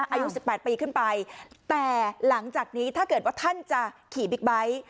อายุสิบแปดปีขึ้นไปแต่หลังจากนี้ถ้าเกิดว่าท่านจะขี่บิ๊กไบท์